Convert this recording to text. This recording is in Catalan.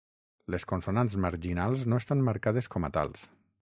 Les consonants marginals no estan marcades com a tals.